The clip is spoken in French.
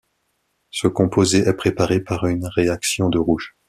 Ce composé est préparé par une réaction de Roush.